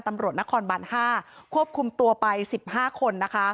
ตำรวจนครบาน๕ควบคุมตัวไป๑๕คนนะคะ